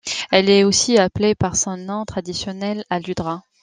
Elle est aussi appelée par son nom traditionnel Aludra.